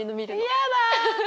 嫌だ。